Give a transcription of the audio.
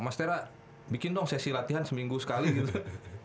mas tera bikin dong sesi latihan seminggu sekali gitu